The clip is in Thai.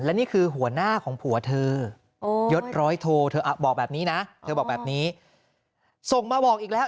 และนี่คือหัวหน้าของผัวเธอยดร้อยโทเธอบอกแบบนี้นะเธอบอกแบบนี้ส่งมาบอกอีกแล้ว